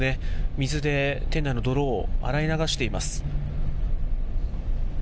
水で店内の泥を洗い流しています。